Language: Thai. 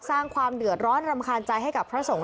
สร้างความเดือดร้อนรำคาญใจให้กับพระสงฆ์